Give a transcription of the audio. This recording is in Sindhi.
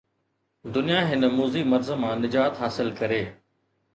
دنيا هن موذي مرض مان نجات حاصل ڪري.